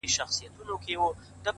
• ما منلی یې په عقل کی سردار یې ,